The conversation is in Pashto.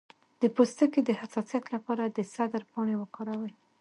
د پوستکي د حساسیت لپاره د سدر پاڼې وکاروئ